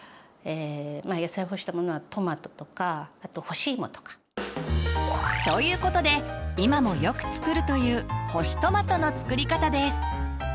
野菜を干したものはトマトとかあと干しいもとか。という事で今もよく作るという「干しトマト」の作り方です。